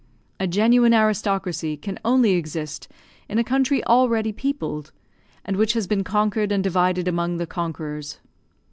A genuine aristocracy can only exist in a country already peopled, and which has been conquered and divided among the conquerors.